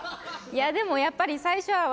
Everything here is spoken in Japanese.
いやでもやっぱり。